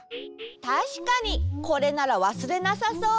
たしかにこれならわすれなさそう！